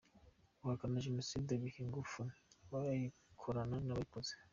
Guhakana Jenoside biha ingufu abayikora n’abayikoze.